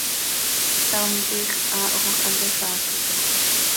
Ctam tiix haahjoj hant ixaazitoj.